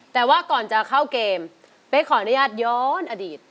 แต่ว่าก่อนจะเข้าเกมเป๊กขออนุญาตย้อนอดีต